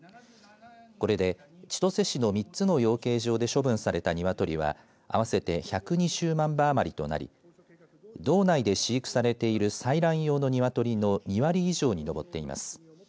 これで千歳市の３つの養鶏場で処分された鶏は合わせて１２０万羽余りとなり道内で飼育されている採卵用の鶏の２割以上に上っています。